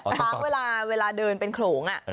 ทั้งเวลาเวลาเดินเป็นโขลงอ่ะ